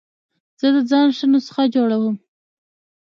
زه د ځان ښه نسخه جوړوم.